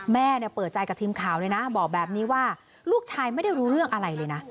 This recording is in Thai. แม่เปิดใจกับทีมข่าวเลยนะบอกแบบนี้ว่าลูกชายไม่ได้รู้เรื่องอะไรเลยนะ